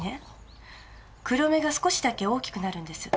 黒目が少しだけ大きくなるんです。